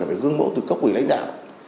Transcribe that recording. phải gương mẫu từ cấp ủy lãnh đạo